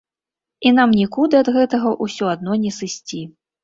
І нам нікуды ад гэтага ўсё адно не сысці.